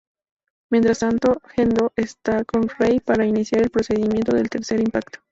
Mientras tanto, Gendo está con Rei para iniciar el procedimiento del Tercer Impacto.